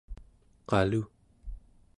qalu